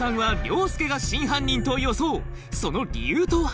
その理由とは？